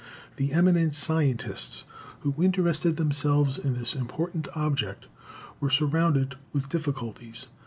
The eminent scientists, who interested themselves in this important object, were surrounded with difficulties.